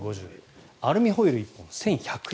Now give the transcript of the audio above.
アルミホイル１本１１００円。